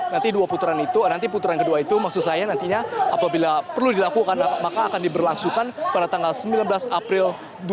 nanti dua putaran itu nanti putaran kedua itu maksud saya nantinya apabila perlu dilakukan maka akan diberlangsungkan pada tanggal sembilan belas april dua ribu dua puluh